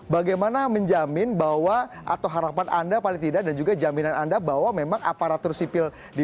bagaimana menjamin bahwa atau harapan anda paling tidak dan juga jaminan anda bahwa memang aparatur sipil negara ini akan berjalan dengan baik